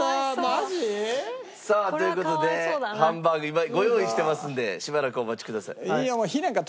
マジ？さあという事でハンバーグ今ご用意してますのでしばらくお待ちください。